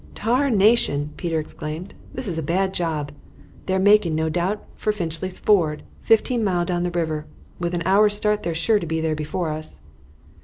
"Tarnation!" Peter exclaimed. "This is a bad job. They're making, no doubt, for Finchley's Ford, fifteen mile down the river. With an hour's start they're sure to be there before us."